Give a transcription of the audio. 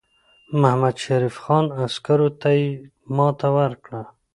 د محمدشریف خان عسکرو ته یې ماته ورکړه.